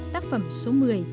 tác phẩm số một mươi